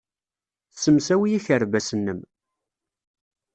Ssemsawi akerbas-nnem.